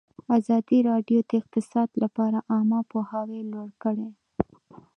ازادي راډیو د اقتصاد لپاره عامه پوهاوي لوړ کړی.